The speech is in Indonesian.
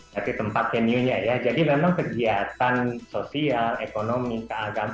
jadi tempatnya new nya ya jadi memang kegiatan sosial ekonomi keagamaan